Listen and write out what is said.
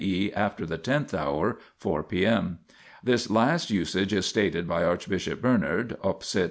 e. after the tenth hour (4 'p.m.). This last usage is stated by Archbishop Bernard (pp.